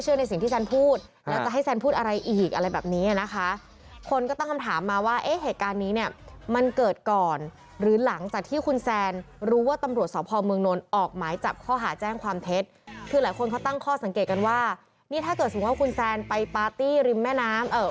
จิตใจเข้มแข็งแข็งแกร่งมากเลยนะ